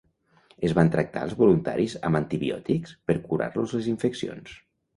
Es van tractar els voluntaris amb antibiòtics per curar-los les infeccions.